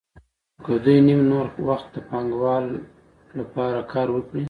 که دوی نیم نور وخت د پانګوال لپاره کار وکړي